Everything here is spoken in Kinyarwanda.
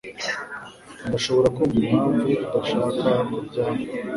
Ndashobora kumva impamvu udashaka kurya hano